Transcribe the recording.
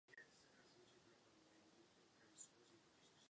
Původně dřevěný hrad byl majetkem českých panovníků.